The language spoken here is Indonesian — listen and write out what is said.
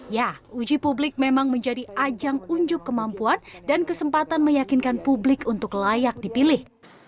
ya uji publik memang menjadi ajang unjuk kemampuan dan kesempatan meyakinkan publik untuk layak dipilih